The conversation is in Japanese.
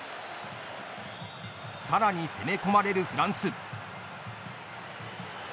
さらに攻め込まれるフランス。